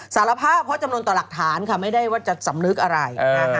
สารภาพเพราะจำนวนต่อหลักฐานค่ะไม่ได้ว่าจะสำนึกอะไรนะคะ